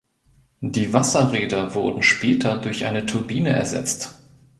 Die Wasserräder wurden später durch eine Turbine ersetzt.